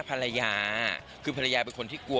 ภรรยาคือภรรยาเป็นคนที่กลัว